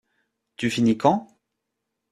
Tu finis quand?